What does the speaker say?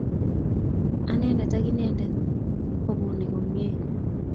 Anendet ak inendet ko bunik komye